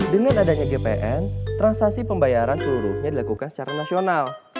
dengan adanya gpn transaksi pembayaran seluruhnya dilakukan secara nasional